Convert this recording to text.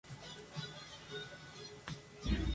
Colaboró con algunos de sus compañeros de carrera.